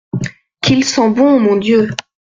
Qu’il sent bon, mon Dieu !